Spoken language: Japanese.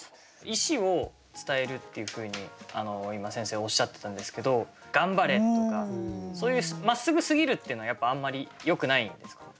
意思を伝えるっていうふうに今先生おっしゃってたんですけど「頑張れ」とかそういうまっすぐすぎるっていうのはやっぱあんまりよくないんですか？